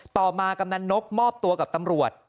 มากำนันนกมอบตัวกับตำรวจ